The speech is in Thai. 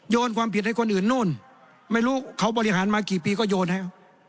ความผิดให้คนอื่นนู่นไม่รู้เขาบริหารมากี่ปีก็โยนให้